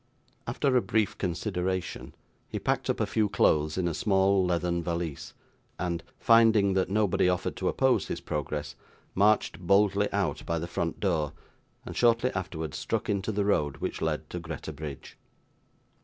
After a brief consideration, he packed up a few clothes in a small leathern valise, and, finding that nobody offered to oppose his progress, marched boldly out by the front door, and shortly afterwards, struck into the road which led to Greta Bridge.